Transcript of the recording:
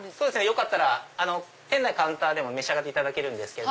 よかったら店内カウンターでも召し上がっていただけます。